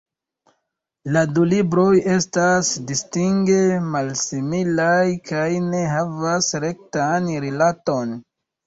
La du libroj estas distinge malsimilaj kaj ne havas rektan rilaton.